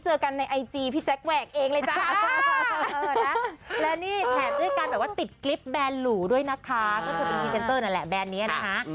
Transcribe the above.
แต่ว่าติดคลิปแบรนด์หลู่ด้วยนะคะก็คือเป็นพีเซนเตอร์แหละแบรนด์นี้นะคะ